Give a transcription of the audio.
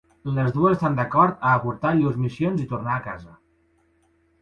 Les dues estan d'acord a avortar llurs missions i tornar a casa.